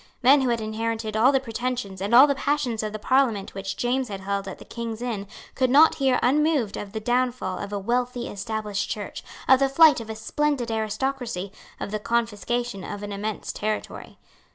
Men who had inherited all the pretensions and all the passions of the Parliament which James had held at the Kings Inns could not hear unmoved of the downfall of a wealthy established Church, of the flight of a splendid aristocracy, of the confiscation of an immense territory.